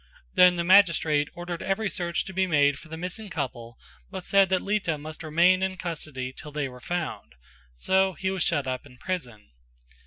Then the magistrate ordered every search to be made for the missing couple but said that Lita must remain in custody till they were found, so he was shut up in prison.